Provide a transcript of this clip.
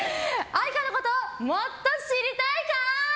愛花のこともっと知りたいかー？